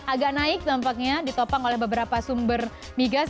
agak naik tampaknya ditopang oleh beberapa sumber migas